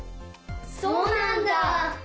そうなんだ。